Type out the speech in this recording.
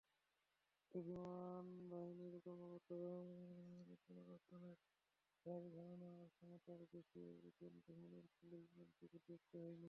তবে বিমানবাহিনীর কর্মকর্তা পুতরানতোর দাবি, ধারণক্ষমতার বেশি ওজন বহনের ফলে বিমানটি বিধ্বস্ত হয়নি।